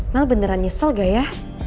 mal beneran nyesel gak ya